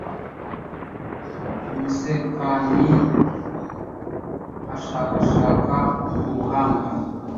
umusekanyi ashakashaka ubuhanga